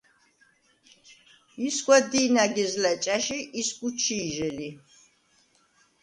ისგვა დი̄ნაგეზლა̈ ჭა̈ში ისგუ ჩი̄ჟე ლი.